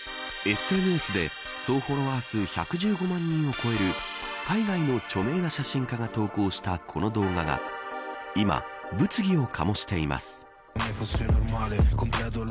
ＳＮＳで総フォロワー数１１５万人を超える海外の著名な写真家が投稿したこの動画が今、物議を醸しています。